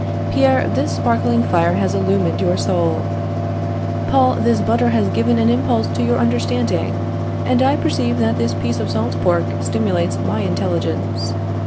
Pierre, this sparkling fire has illumined your soul; Paul, this butter has given an impulse to your understanding, and I perceive that this piece of salt pork stimulates my intelligence.